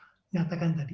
itu yang saya nyatakan tadi